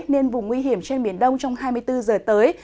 nên vùng nguy hiểm trên biển đông trong hai mươi bốn giờ tới